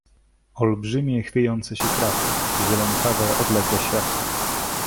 Olbrzymie, chwiejące się kraty, zielonkawe, odlegle światło.